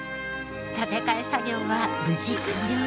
建て替え作業は無事完了しました。